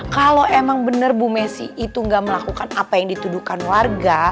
kalau emang benar bu messi itu nggak melakukan apa yang dituduhkan warga